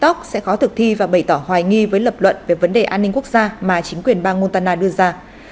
tóc sẽ khó thực thi và bày tỏ hoài nghi với lập luận về vấn đề an ninh quốc gia mà chính quyền bang montana đưa ra